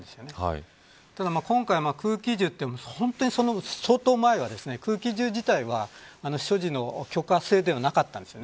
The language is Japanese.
ですが今回の空気銃相当前は、空気銃自体は所持の許可制度はなかったんです。